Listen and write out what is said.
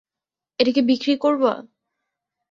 এটা কি বিক্রি করবা?